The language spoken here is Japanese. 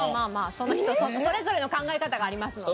その人それぞれの考え方がありますので。